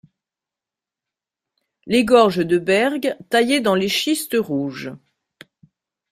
Les gorges de Bergue, taillées dans les schistes rouges.